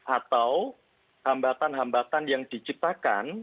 atau hambatan hambatan yang diciptakan